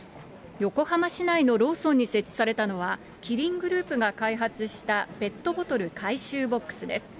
横浜市内のローソンに設置されたのは、キリングループが開発したペットボトル回収ボックスです。